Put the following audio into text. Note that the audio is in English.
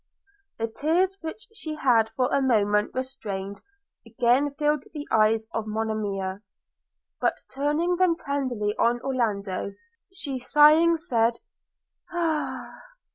The tears which she had for a moment restrained, again filled the eyes of Monimia. – But, turning them tenderly on Orlando, she sighing said, 'Ah!